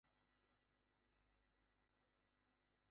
শান্ত হ, শুটু।